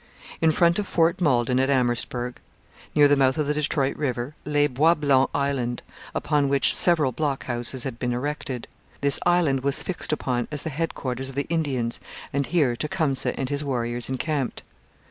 In front of Fort Malden at Amherstburg, near the mouth of the Detroit river, lay Bois Blanc Island, upon which several blockhouses had been erected. This island was fixed upon as the headquarters of the Indians, and here Tecumseh and his warriors encamped.